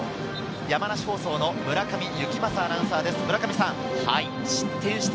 山梨放送の村上幸政アナウンサーです。